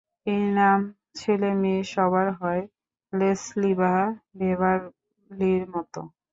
এই নাম ছেলে-মেয়ে সবার হয়, লেসলি বা বেভারলির মতো।